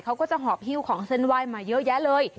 เขาก็จะหอบฮิ้วของเส้นไหว้มาเยอะแยะเลย